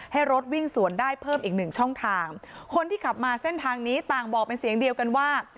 ให้รถวิ่งสวนได้เพิ่มอีกหนึ่งช่องทางคนที่ขับมาเส้นทางนี้ต่างบอกเป็นเสียงเดียวกันว่า